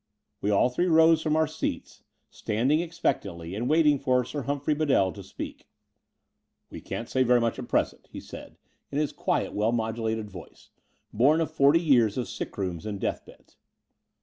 We all three rose from our seats, standing ex I)ectantly and waiting for Sir Humphrey Bedell to speak. We can't say very much at present," he said in his quiet, well modulated voice, bom of forty years of sick rooms and death beds.